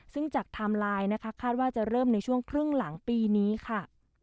ซึ่งจากไทม์ไลน์นะคะคาดว่าจะเริ่มในช่วงครึ่งหลังปีนี้ค่ะ